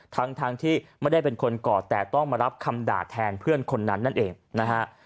ทั้งที่ไม่ได้เป็นคนกอดแต่ต้องมารับคำด่าแทนเพื่อนคนนั้นนั่นเองนะฮะ